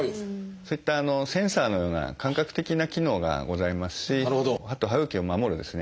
そういったセンサーのような感覚的な機能がございますし歯と歯ぐきを守るですね